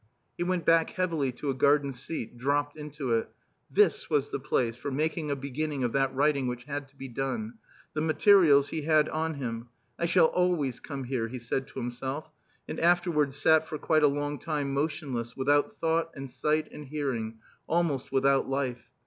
He went back heavily to a garden seat, dropped into it. This was the place for making a beginning of that writing which had to be done. The materials he had on him. "I shall always come here," he said to himself, and afterwards sat for quite a long time motionless, without thought and sight and hearing, almost without life.